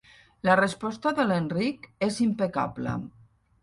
La resposta de l'Enric és impecable.